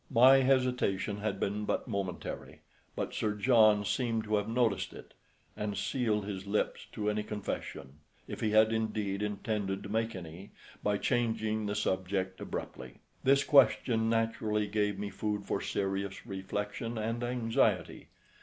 My hesitation had been but momentary; but Sir John seemed to have noticed it, and sealed his lips to any confession, if he had indeed intended to make any, by changing the subject abruptly. This question naturally gave me food for serious reflection and anxiety.